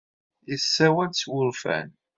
Yessawal s wurfan.